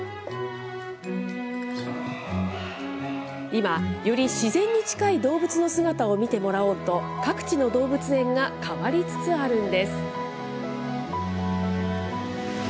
今、より自然に近い動物の姿を見てもらおうと、各地の動物園が変わりつつあるんです。